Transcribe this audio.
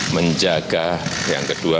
menjaga yang kedua